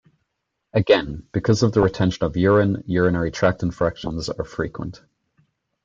Again, because of the retention of urine, urinary tract infections are frequent.